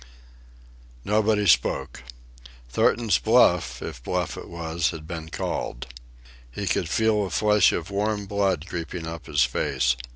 Nobody spoke. Thornton's bluff, if bluff it was, had been called. He could feel a flush of warm blood creeping up his face.